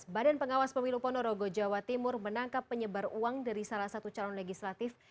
badan pengawas pemilu ponorogo jawa timur menangkap penyebar uang dari salah satu calon legislatif